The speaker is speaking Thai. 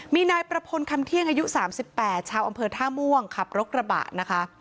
มีนายประพลคำเที่ยงอายุ๓๘ชาวอำเภอท่าม่วงขับรถกระบะนะคะ